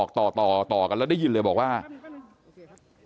กลุ่มตัวเชียงใหม่